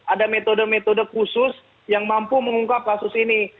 ada metode metode khusus yang mampu mengungkap kasus ini